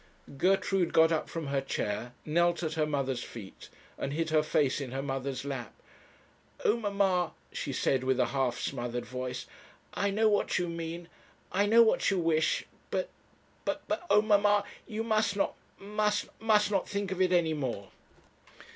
Gertrude got up from her chair, knelt at her mother's feet, and hid her face in her mother's lap. 'Oh, mamma,' she said, with a half smothered voice, 'I know what you mean; I know what you wish; but but but, oh, mamma, you must not must not, must not think of it any more.'